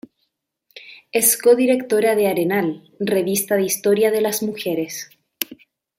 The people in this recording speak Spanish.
Es codirectora de "Arenal, Revista de Historia de las Mujeres.